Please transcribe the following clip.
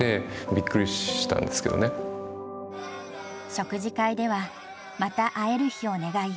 食事会ではまた会える日を願い